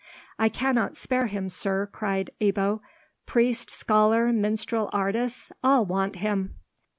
"I cannot spare him, sir," cried Ebbo; "priest, scholar, minstrel, artist—all want him."